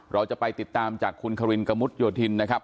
เราจะไปติดตามจากคุณเขายยทินณ์นะครับ